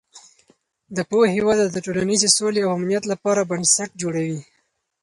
د پوهې وده د ټولنیزې سولې او امنیت لپاره بنسټ جوړوي.